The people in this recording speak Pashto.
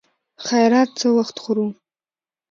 خيرات څه وخت خورو.